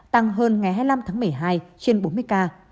tăng hơn ngày hai mươi năm tháng một mươi hai trên bốn mươi ca